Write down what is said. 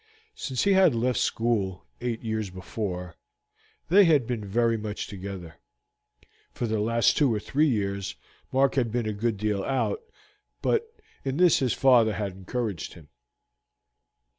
Since he had left school, eight years before, they had been very much together. For the last two or three years Mark had been a good deal out, but in this his father had encouraged him.